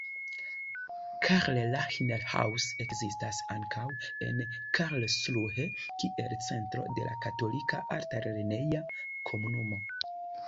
Karl-Rahner-Haus ekzistas ankaŭ en Karlsruhe kiel centro de la Katolika Alt-lerneja Komunumo.